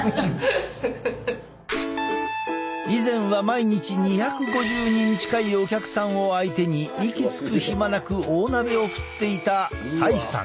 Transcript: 以前は毎日２５０人近いお客さんを相手に息つく暇なく大鍋を振っていた斉さん。